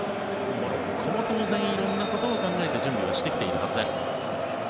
モロッコも当然、いろんなことを考えて準備をしてきているはずです。